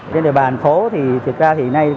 trên đường bàn phố thì thực ra hiện nay